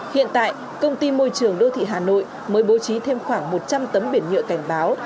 hiện tại công ty môi trường đô thị hà nội mới bố trí thêm khoảng một trăm linh tấm biển nhựa cảnh báo